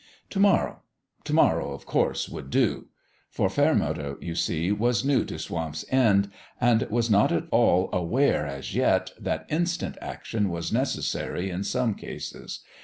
To morrow : to morrow, of course, would do. For Fairmeadow, you see, PICK AND SHOVEL 51 was new to Swamp's End, and was not at all aware, as yet, that instant action was necessary in some cases.